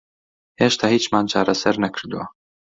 هێشتا هیچمان چارەسەر نەکردووە.